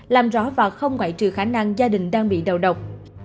làm rõ và không ngoại trừ khả năng gia đình đang bị đầu độc